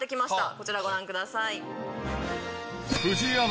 こちらをご覧ください。